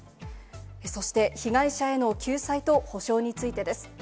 そして被害者への救済と補償についてです。